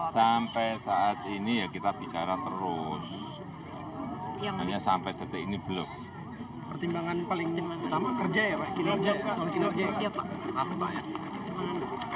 sampai saat ini kita bicara terus hanya sampai detik ini belum